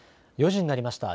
４時になりました。